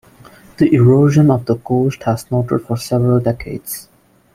The erosion of the coast has noted for several decades.